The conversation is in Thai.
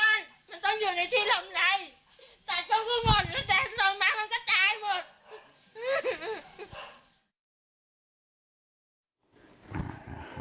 ต้นไม้มันเป็นต้นวอลมันต้องอยู่ในที่ลำไรตัดก็คือหมดแต่ส่วนมากมันก็ตายหมด